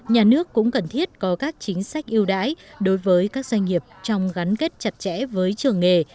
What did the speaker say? nhà nước cũng cần thiết có các chính sách ưu đãi đối với các doanh nghiệp trong gắn kết chặt chẽ với trường nghề